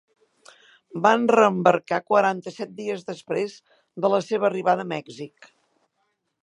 Van reembarcar quaranta-set dies després de la seva arribada a Mèxic.